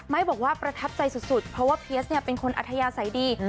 ไมค์บอกว่าประทับใจสุดเพราะว่าเพียสเป็นคนอัทยาใส่ดี